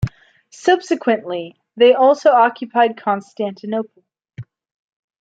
Subsequently, they also occupied Constantinople.